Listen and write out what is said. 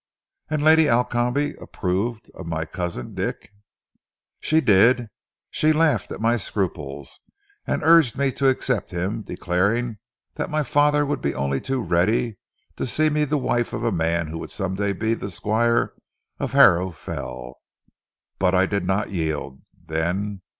"And Lady Alcombe approved of my cousin Dick?" "She did. She laughed at my scruples, and urged me to accept him, declaring that my father would be only too ready to see me the wife of a man who would some day be the Squire of Harrow Fell. But I did not yield then.